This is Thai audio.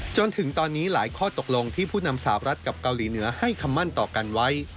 จนถึงตอนนี้หลายข้อตกลงที่ผู้นำสาวรัฐกับเกาหลีเหนือให้คำมั่นต่อกันไว้